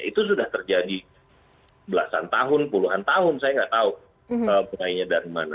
itu sudah terjadi belasan tahun puluhan tahun saya nggak tahu mulainya dari mana